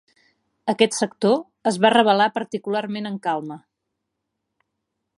Aquest sector es va revelar particularment en calma.